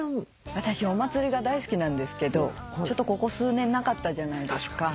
私お祭りが大好きなんですけどちょっとここ数年なかったじゃないですか。